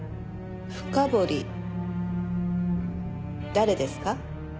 誰ですか？